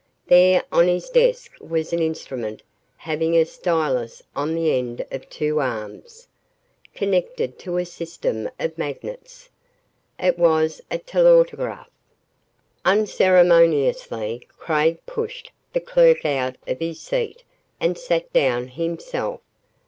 There on his desk was an instrument having a stylus on the end of two arms, connected to a system of magnets. It was a telautograph. Unceremoniously, Craig pushed the clerk out of his seat and sat down himself.